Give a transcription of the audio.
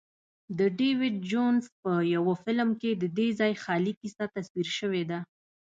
د ډیویډ جونز په یوه فلم کې ددې ځای خیالي کیسه تصویر شوې ده.